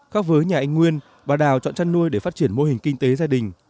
khác với nhà anh nguyên bà đào chọn chăn nuôi để phát triển mô hình kinh tế gia đình